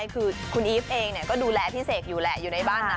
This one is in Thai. คือคุณอีฟเองก็ดูแลพี่เสกอยู่แหละอยู่ในบ้านนั้น